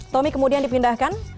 tommy kemudian dipindahkan